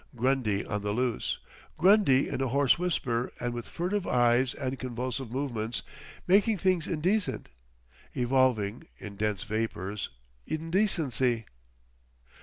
Grundy on the loose, Grundy in a hoarse whisper and with furtive eyes and convulsive movements—making things indecent. Evolving—in dense vapours—indecency!